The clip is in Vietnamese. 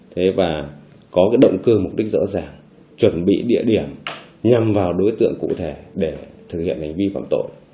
thế và có cái động cơ mục đích rõ ràng chuẩn bị địa điểm nhằm vào đối tượng cụ thể để thực hiện hành vi phạm tội